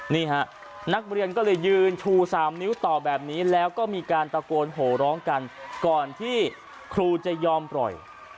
นี่ฮะนักเรียนก็เลยยืนชู๓นิ้วต่อแบบนี้แล้วก็มีการตะโกนโหร้องกันก่อนที่ครูจะยอมปล่อย